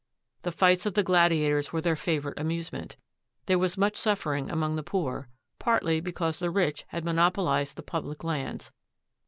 The fights of the gladiators were their favorite amusement. There was much suffering among the poor, partly because the rich had monopolized the public lands.